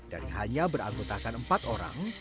dari hanya beranggotakan empat orang